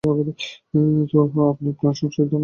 তো, আপনি প্রাণ সংশয়ের ধারণা করছেন?